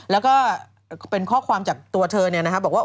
แล้วก็เป็นข้อความจากตัวเธอบอกว่า